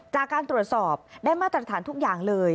จากการตรวจสอบได้มาตรฐานทุกอย่างเลย